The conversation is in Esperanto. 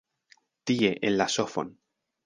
Tie en la sofon.